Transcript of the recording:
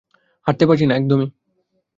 হাঁটতে পারছি না একদমই।